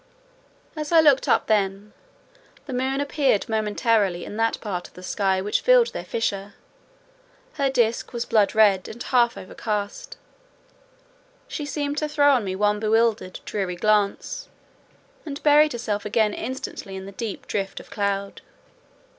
As I looked up at them, the moon appeared momentarily in that part of the sky which filled their fissure; her disk was blood red and half overcast; she seemed to throw on me one bewildered, dreary glance, and buried herself again instantly in the deep drift of cloud.